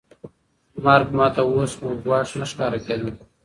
مرګ ما ته اوس ګواښ نه ښکاره کېده.